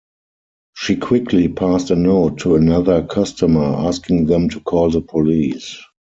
She quickly passed a note to another customer asking them to call the police.